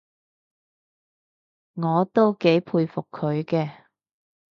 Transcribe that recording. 我都幾佩服佢嘅